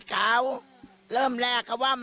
อืม